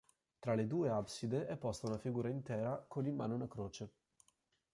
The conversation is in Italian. Tra le due abside è posta una figura intera con in mano una croce.